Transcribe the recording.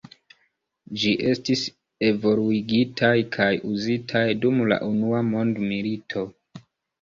Ĝi estis evoluigitaj kaj uzitaj dum la unua mondmilito.